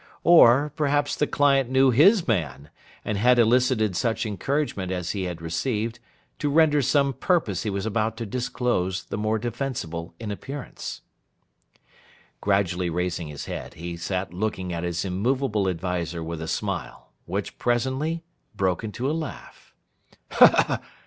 Or, perhaps the client knew his man, and had elicited such encouragement as he had received, to render some purpose he was about to disclose the more defensible in appearance. Gradually raising his head, he sat looking at his immovable adviser with a smile, which presently broke into a laugh.